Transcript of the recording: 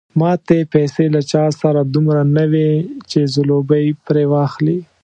ماتې پیسې له چا سره دومره نه وې چې ځلوبۍ پرې واخلي.